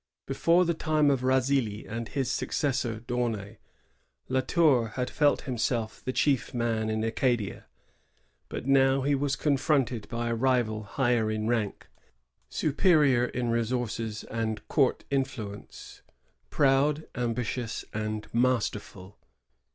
Before the time of Razilly and his successor D'Aunay, La Tour had felt himself the chief man in Acadia; but now he was confronted by a rival higher in rank, superior in resources and court influence, proud, ambitious, and masterful.